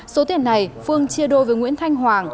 số tiền này phương chia đôi với nguyễn thanh hoàng